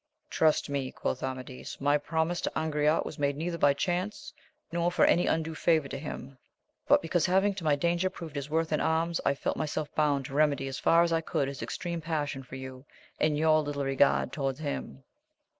Trust me, quoth Amadis, my promise to Angriote was made neither by chance, nor for any uil due 7avour to him, but because \va. Nm^ \»q tss::^ ^«ssj^^ 174 AMADIS OF GAUL. proved his worth in arms, I felt myself bound to remedy as far as I could his extreme passion for you, and your little regard toward him.